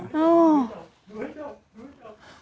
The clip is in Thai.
ดูให้จบ